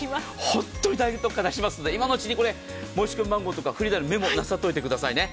本当に大特価、出しますので今のうちに申し込み番号とかフリーダイヤルメモなさってください。